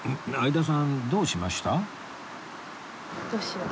相田さんどうしました？